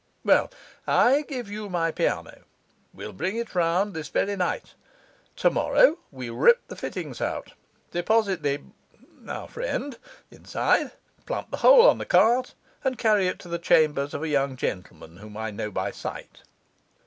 Well, I give you my piano; we'll bring it round this very night. Tomorrow we rip the fittings out, deposit the our friend inside, plump the whole on a cart, and carry it to the chambers of a young gentleman whom I know by sight.